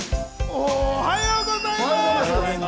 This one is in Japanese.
おはようございます！